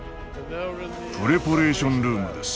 プレパレーションルームです。